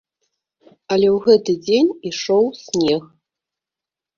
Але ў гэты дзень ішоў снег.